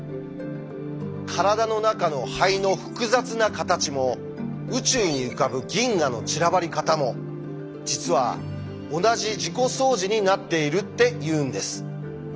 体の中の肺の複雑な形も宇宙に浮かぶ銀河の散らばり方も実は同じ自己相似になっているっていうんです。